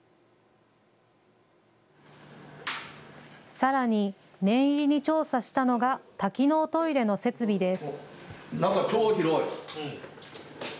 さらに念入りに調査したのが多機能トイレの設備です。